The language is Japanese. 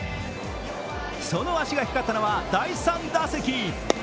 その足が光ったのは第３打席。